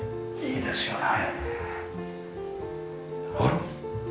いいですね